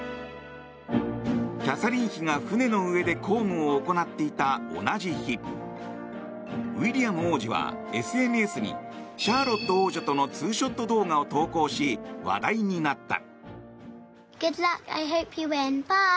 キャサリン妃が船の上で公務を行っていた同じ日ウィリアム王子は、ＳＮＳにシャーロット王女とのツーショット動画を投稿し話題になった。